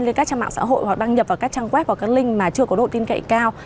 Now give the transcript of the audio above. lên các trang mạng xã hội hoặc đăng nhập vào các trang web hoặc các link mà chưa có độ tin cậy cao